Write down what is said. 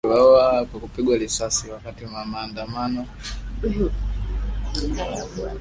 Waandamanaji wawili waliuawa kwa kupigwa risasi wakati wa maandamano nchini Sudan siku ya Alhamis